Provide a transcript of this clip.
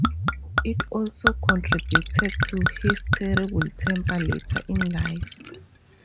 It also contributed to his terrible temper later in life.